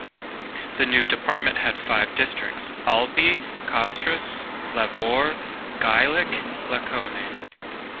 The new department had five districts: Albi, Castres, Lavaur, Gaillac, Lacaune.